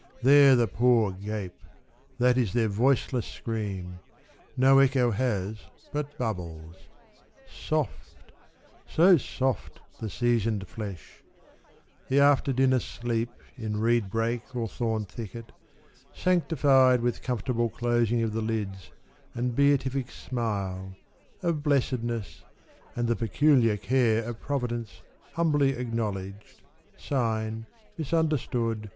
There the poor gape, that is their voiceless scream, No echo has but bubbles. Soft, so soft The seasoned flesh ; the after dinner sleep, In reed brake or thorn thicket, sanctified With comfortable closing of the lids And beatific smile, of blessedness And the peculiar care of Providence Humbly acknowledged, sign, misunderstood.